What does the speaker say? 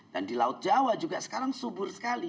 dan di laut jawa juga sekarang subur sekali